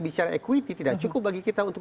bicara equity tidak cukup bagi kita untuk